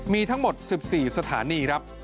มีทั้งหมด๑๔สถานีครับ